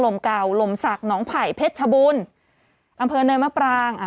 เก่าลมศักดิ์หนองไผ่เพชรชบูรณ์อำเภอเนินมะปรางอ่า